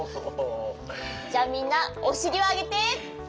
じゃあみんなおしりをあげて。